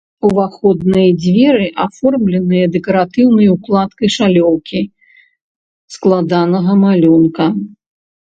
Уваходныя дзверы аформленыя дэкаратыўнай укладкай шалёўкі складанага малюнка.